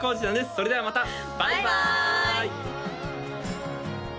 それではまたバイバーイ！